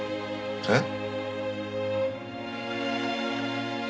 えっ？